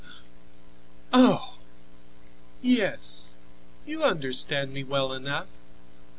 "Oh! yes; you understand me well enough.